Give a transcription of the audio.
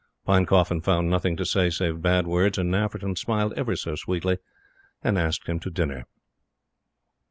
Pinecoffin found nothing to say save bad words; and Nafferton smiled ever so sweetly, and asked him to dinner.